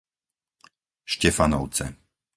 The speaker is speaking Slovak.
Štefanovce